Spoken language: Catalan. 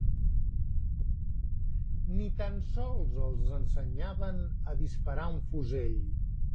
Ni tan sols els ensenyaven a disparar un fusell